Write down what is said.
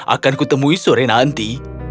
akanku temui sore nanti